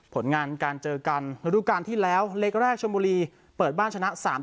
ผลงานการเจอกันระดูการที่แล้วเล็กแรกชมบุรีเปิดบ้านชนะ๓๐